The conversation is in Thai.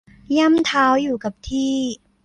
ย่ำเท้าอยู่กับที่